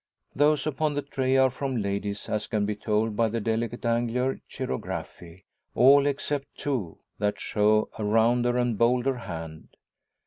Those upon the tray are from ladies, as can be told by the delicate angular chirography all except two, that show a rounder and bolder hand.